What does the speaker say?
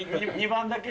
２番だけ。